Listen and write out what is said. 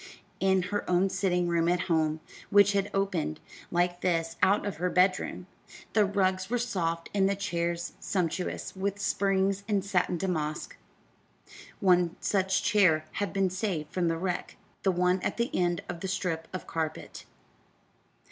In her own sitting room at home which had opened, like this, out of her bedroom the rugs were soft and the chairs sumptuous with springs and satin damask. One such chair had been saved from the wreck the one at the end of the strip of carpet.